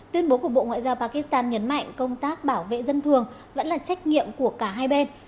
tuyên bố của bộ ngoại giao pakistan nhấn mạnh công tác bảo vệ dân thường vẫn là trách nhiệm của cả hai bên